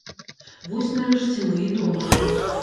Вось нарэшце мы і дома.